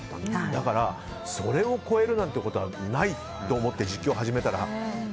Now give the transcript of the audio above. だからそれを超えるなんてことはないと思って実況を始めたら。